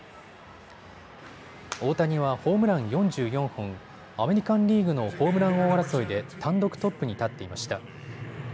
大谷はホームラン４４本、アメリカンリーグのホームラン王争いで単独トップに立っていました。